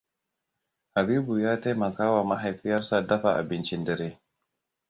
Habibu ya taimakawa mahaifiyarsa dafa abincin dare.